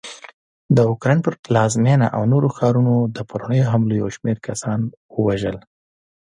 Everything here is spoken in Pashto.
د اوکراین پر پلازمېنه او نورو ښارونو د پرونیو حملو یوشمېر کسان ووژل